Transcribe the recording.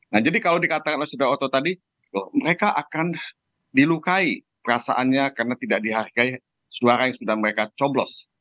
nah jadi kalau dikatakan oleh suda oto tadi mereka akan dilukai perasaannya karena tidak dihargai suara yang sudah mereka coblos